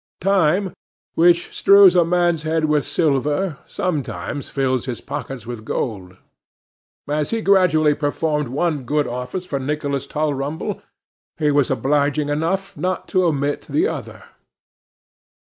Time, which strews a man's head with silver, sometimes fills his pockets with gold. As he gradually performed one good office for Nicholas Tulrumble, he was obliging enough, not to omit the other.